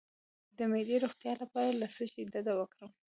د معدې د روغتیا لپاره له څه شي ډډه وکړم؟